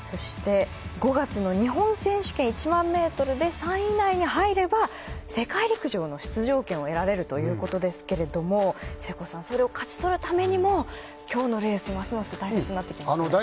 ５月の日本選手権１００００ｍ３位以内に入れば世界陸上の出場権を得られるということですけどそれを勝ち取るためにも今日のレースますます大切になってきますね。